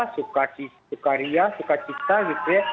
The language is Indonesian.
suka cita suka riah suka cita gitu ya